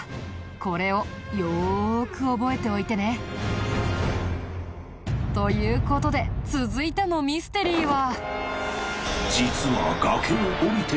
これをよーく覚えておいてね。という事で続いてのミステリーは。